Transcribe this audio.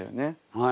はい。